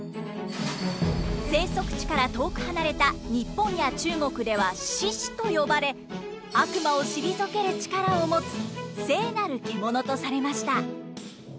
生息地から遠く離れた日本や中国では獅子と呼ばれ悪魔をしりぞける力を持つ「聖なる獣」とされました。